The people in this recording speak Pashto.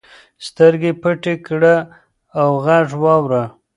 سترګې پټې کړه او غږ واوره.